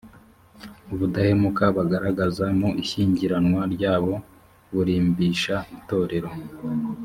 ubudahemuka bagaragaza mu ishyingiranwa ryabo burimbisha itorero